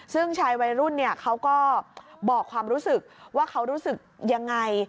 ซึ่งชายวัยรุ่นเขาก็บอกความรู้สึกว่าเขารู้สึกยังไง